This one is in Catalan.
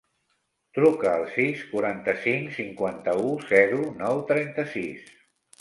Truca al sis, quaranta-cinc, cinquanta-u, zero, nou, trenta-sis.